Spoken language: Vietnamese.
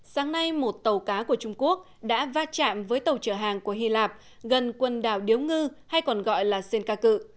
sáng nay một tàu cá của trung quốc đã va chạm với tàu chở hàng của hy lạp gần quần đảo điếu ngư hay còn gọi là senka